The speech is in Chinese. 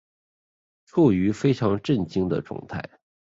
处於非常震惊的状态